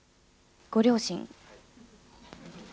ご両親？